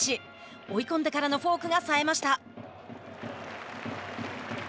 追い込んでからのフォークがさえました。